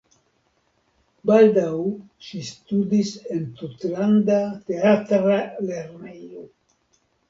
Baldaŭ ŝi studis en Tutlanda Teatra Lernejo.